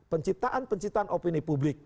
penciptaan penciptaan opini publik